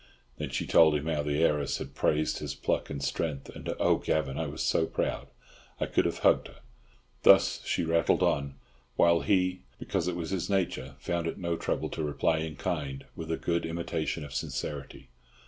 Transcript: Then she told him how the heiress had praised his pluck and strength. "And oh! Gavan, I was so proud, I could have hugged her!" Thus she rattled on, while he, because it was his nature found it no trouble to reply in kind, with a good imitation of sincerity.